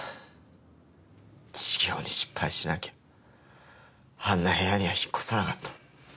事業に失敗しなきゃあんな部屋には引っ越さなかった。